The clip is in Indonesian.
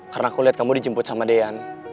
karena aku liat kamu dijemput sama deyan